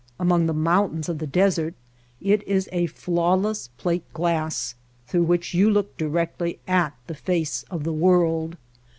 Among the mountains of the desert it is a flawless plate glass through which you look directly at the face of the world.